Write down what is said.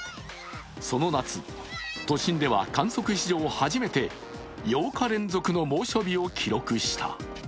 その夏、都心では観測史上初めて８日連続の猛暑日を記録した。